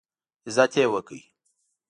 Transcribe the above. عزت یې وکړ.